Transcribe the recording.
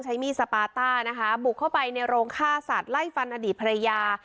ใช้มีสปาตราบุกเข้าในโรงฆ่าสัตว์ละยฟันอนาดีภรรยา